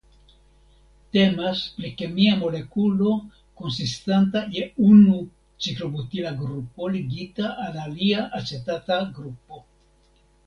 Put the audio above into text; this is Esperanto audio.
Temas pri kemia molekulo konsistanta je unu ciklobutila grupo ligita al alia acetata grupo.